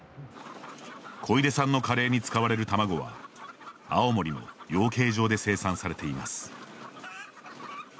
小出さんのカレーに使われる卵は青森の養鶏場で生産されています。